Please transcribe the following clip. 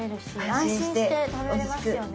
安心して食べれますよね。